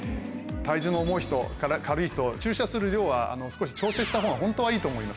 体重の重い人から軽い人注射する量は少し調整したほうが本当はいいと思います。